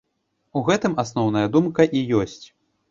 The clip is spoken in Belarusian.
У гэтым асноўная думка і ёсць.